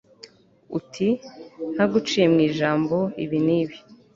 uti «ntaguciye mu ijambo» ibi n'ibi